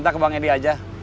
saya minta ke bang edi aja